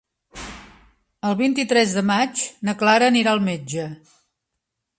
El vint-i-tres de maig na Clara anirà al metge.